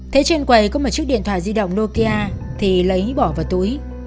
thế trên quầy có một chiếc điện thoại di động nokia thì lấy bỏ vào túi